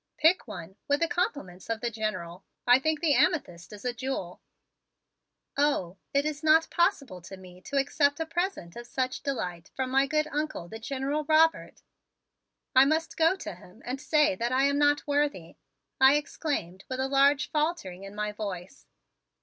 "Pick one, with the compliments of the General. I think the amethyst is a jewel." "Oh, it is not possible to me to accept a present of such delight from my good Uncle, the General Robert. I must go to him and say that I am not worthy!" I exclaimed with a large faltering in my voice.